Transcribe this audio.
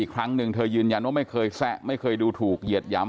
ครั้งหนึ่งเธอยืนยันว่าไม่เคยแซะไม่เคยดูถูกเหยียดหย้ำ